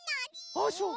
ああそう。